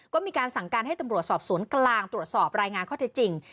ก็มีการสั่งการให้ตำรวจสอบสวนกลางตรวจสอบรายงานข้อเท็จจริง